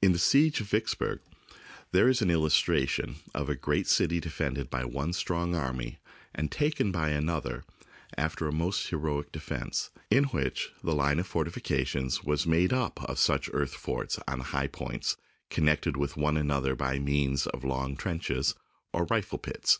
In the siege of Vicksburg there is an illustration of a great city defended by one strong army and taken by another after a most heroic defence, in which the line of fortifications was made up of such earth forts on high points connected with one an other by means of long trenches, or rifle pits.